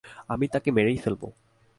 আমি তাকে মেরেই ফেলব!